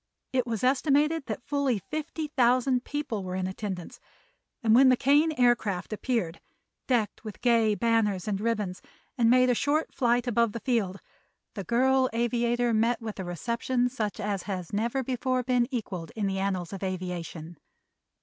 It was estimated that fully fifty thousand people were in attendance, and when the Kane Aircraft appeared, decked with gay banners and ribbons, and made a short flight above the field, the girl aviator met with a reception such as has never before been equaled in the annals of aviation.